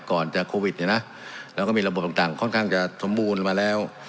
ก่อนจะโควิดเนี่ยนะเราก็มีระบบต่างค่อนข้างจะสมบูรณ์มาแล้ว